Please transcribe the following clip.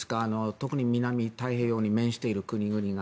特に南太平洋に面している国々が。